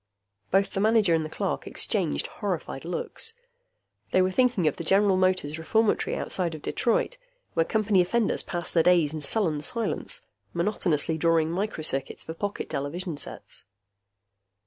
Both the manager and the clerk exchanged horrified looks. They were thinking of the General Motors Reformatory outside of Detroit, where Company offenders passed their days in sullen silence, monotonously drawing microcircuits for pocket television sets.